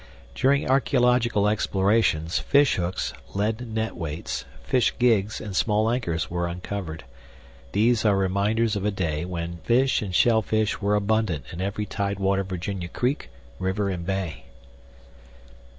During archeological explorations, fishhooks, lead net weights, fish gigs, and small anchors were uncovered. These are reminders of a day when fish and shellfish were abundant in every tidewater Virginia creek, river, and bay.